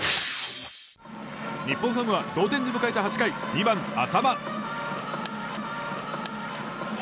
日本ハムは同点で迎えた８回２番、淺間。